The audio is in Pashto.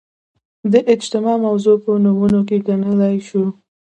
د اجماع موضوع په نمونو کې ګڼلای شو